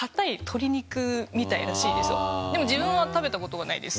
でも自分は食べた事がないです。